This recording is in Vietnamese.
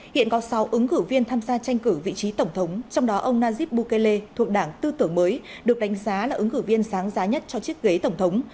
hiện có sáu ứng cử viên tham gia tranh cử vị trí tổng thống trong đó ông najib bukele thuộc đảng tư tưởng mới được đánh giá là ứng cử viên sáng giá nhất cho chiếc ghế tổng thống